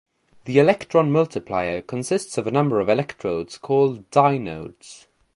The electron multiplier consists of a number of electrodes called "dynodes".